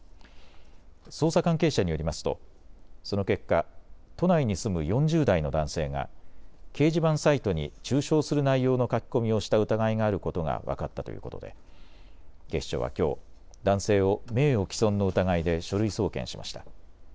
捜査関係者によりますとその結果、都内に住む４０代の男性が掲示板サイトに中傷する内容の書き込みをした疑いがあることが分かったということで警視庁はきょう男性を名誉毀損の疑いで書類送検しました。